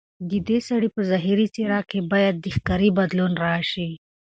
ددې سړي په ظاهري څېره کې باید د ښکاري بدلون راشي.